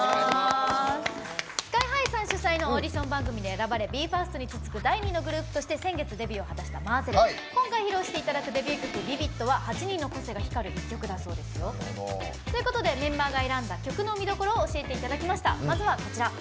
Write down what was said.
ＳＫＹ‐ＨＩさん主催のオーディションで選ばれＢＥ：ＦＩＲＳＴに続く第２のグループとして今回披露していただくデビュー曲「Ｖｉｖｉｄ」は８人の個性が光る一曲だそうですよ。ということでメンバーが選んだ曲の見どころを教えていただきました。